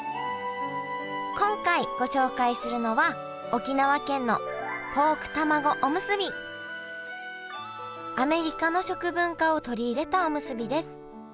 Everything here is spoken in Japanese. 今回ご紹介するのはアメリカの食文化を取り入れたおむすびです。